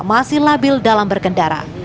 masih labil dalam berkendara